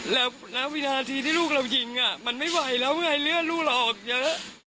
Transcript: แล้วณวินาทีที่ลูกเรายิงมันไม่ไหวแล้วไงเลือดลูกเราออกเยอะ